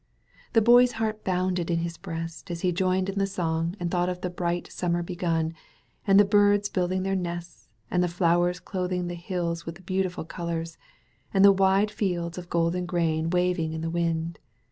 The Boy's heart bounded in his breast as he joined in the song and thought of the bright summer begun, and the birds building their nests, and the flowers clothing the hills with beautiful colors, and the wide fields of golden grain waving in the wind.